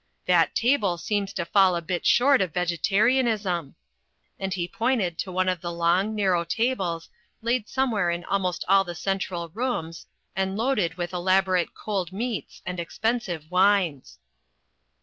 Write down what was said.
"That table seems to fall a bit short of Vegetarianism." And he pointed to one of the long, narrow tables, laid somewhere in almost all the central rooms, and loaded with elaborate cold meats and expensive wines.